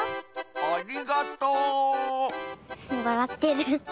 ありがとわらってる。